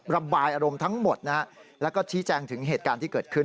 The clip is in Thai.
ระบายอารมณ์ทั้งหมดนะฮะแล้วก็ชี้แจงถึงเหตุการณ์ที่เกิดขึ้น